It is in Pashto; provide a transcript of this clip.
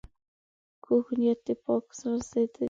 کوږ نیت د پاک زړه ضد وي